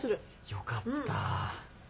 よかった。